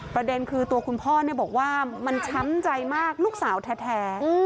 ประเด็นคือตัวคุณพ่อบอกว่ามันช้ำใจมากลูกสาวแท้